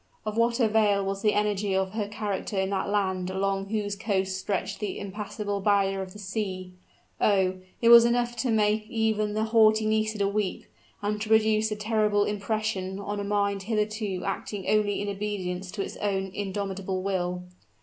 Of what avail was the energy of her character in that land along whose coast stretched the impassable barrier of the sea? Oh! it was enough to make even the haughty Nisida weep, and to produce a terrible impression on a mind hitherto acting only in obedience to its own indomitable will.